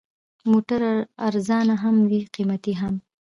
موټر ارزانه هم وي، قیمتي هم.